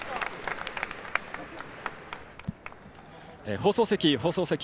放送席、放送席。